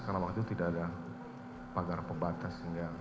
karena waktu itu tidak ada pagar pembatas